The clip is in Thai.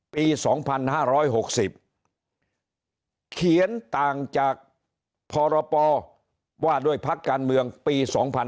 ปี๒๕๖๐เขียนต่างจากพรปว่าด้วยพักการเมืองปี๒๕๕๙